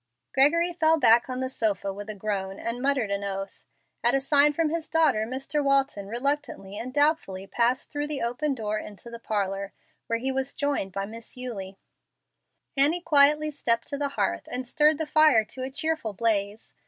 Gregory fell back on the sofa with a groan and a muttered oath. At a sign from his daughter, Mr. Walton reluctantly and doubtfully passed through the open door into the parlor, where he was joined by Miss Eulie. Annie quietly stepped to the hearth and stirred the fire to a cheerful blaze.